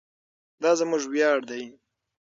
دا زموږ ویاړ دی.